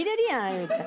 言うた。